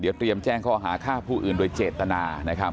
เดี๋ยวเตรียมแจ้งข้ออาหารค่าผู้อื่นโดยเจตนา